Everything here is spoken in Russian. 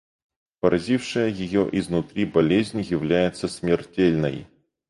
Поразившая ее изнутри болезнь является смертельной.